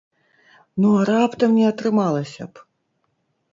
Ну а раптам не атрымалася б?